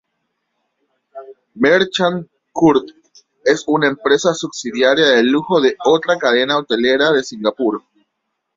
Merchant Court es una empresa subsidiaria de lujo de otra cadena hotelera de Singapur.